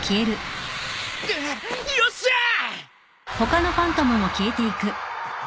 よっしゃあ！